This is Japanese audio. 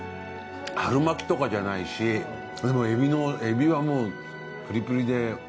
春巻きとかじゃないし海老の海老はもうプリプリで。